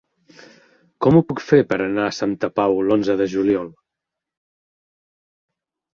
Com ho puc fer per anar a Santa Pau l'onze de juliol?